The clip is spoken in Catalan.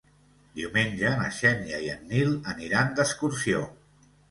Diumenge na Xènia i en Nil aniran d'excursió.